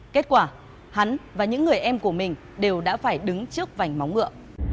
kết quả hắn và những người em của mình đều đã phải đứng trước vành móng ngựa